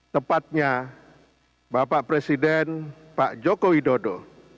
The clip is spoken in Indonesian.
tepatnya bapak presiden pak joko widodo